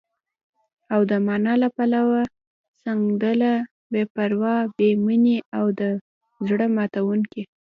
او د مانا له پلوه، سنګدله، بې پروا، بې مينې او د زړه ماتوونکې